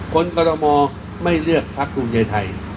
คนกฎมไม่เลือกพักภูมิเศรษฐ์ไทย